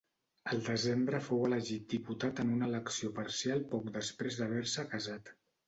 El desembre fou elegit diputat en una elecció parcial poc després d'haver-se casat.